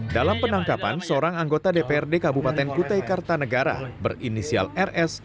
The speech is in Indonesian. dalam penangkapan seorang anggota dprd kabupaten kutai kartanegara berinisial rs